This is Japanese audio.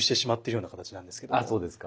そうですか。